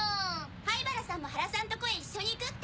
灰原さんも原さんとこへ一緒に行くって。